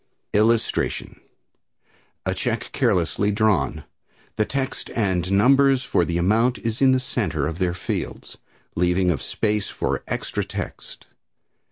[Illustration: A Check Carelessly Drawn. The text and numbers for the amount is in the center of their fields, leaving of space for extra text.